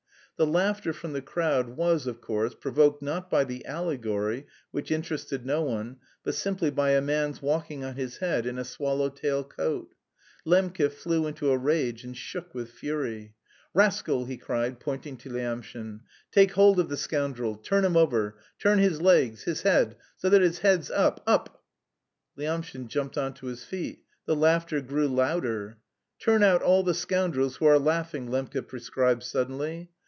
The laughter from the crowd was, of course, provoked not by the allegory, which interested no one, but simply by a man's walking on his head in a swallow tail coat. Lembke flew into a rage and shook with fury. "Rascal!" he cried, pointing to Lyamshin, "take hold of the scoundrel, turn him over... turn his legs... his head... so that his head's up... up!" Lyamshin jumped on to his feet. The laughter grew louder. "Turn out all the scoundrels who are laughing!" Lembke prescribed suddenly.